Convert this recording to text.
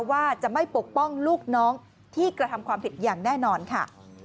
ว่าจะไม่ปกป้องลูกน้องที่กระทำความผิดอย่างแน่นอนค่ะ